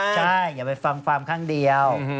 ใช่อย่าไปฟังฟาร์มข้างเดียว